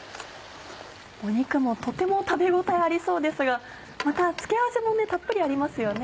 肉もとても食べ応えありそうですがまた付け合わせもたっぷりありますよね。